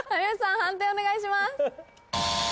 判定お願いします。